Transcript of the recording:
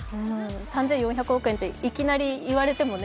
３４００億円っていきなり言われてもね。